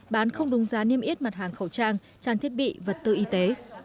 bán không đúng giá niêm yết mặt hàng khẩu trang trang thiết bị vật tư y tế